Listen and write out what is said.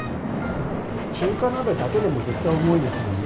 中華鍋だけでも絶対重いですもんね。